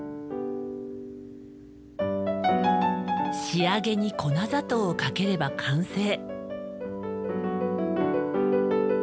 仕上げに粉砂糖をかければ完成。